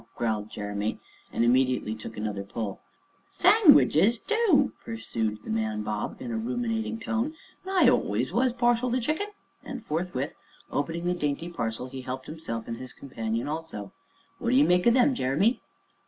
growled Jeremy, and immediately took another pull. "Sang widges, too!" pursued the man Bob, in a ruminating tone, "an' I always was partial to chicken!" and, forthwith, opening the dainty parcel, he helped himself, and his companion also. "What d'ye make o' them, Jeremy?"